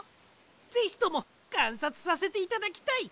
ぜひともかんさつさせていただきたい。